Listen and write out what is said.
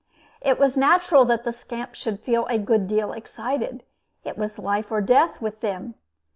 It was natural that the scamps should feel a good deal excited: it was life or death with them.